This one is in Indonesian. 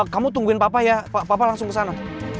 kamu tungguin papa ya papa langsung kesana